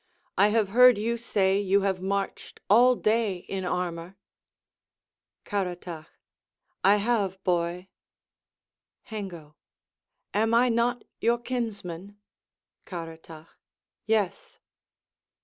I have heard you say you have marched all day in armor. Caratach I have, boy. Hengo Am not I your kinsman? Caratach Yes.